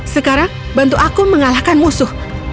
sekarang bantu aku mengalahkan musuh